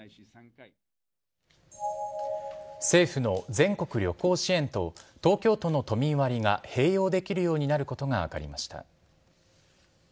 政府の全国旅行支援と東京都の都民割が併用できるようになることが分かりました。